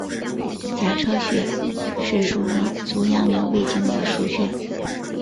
颊车穴是属于足阳明胃经的腧穴。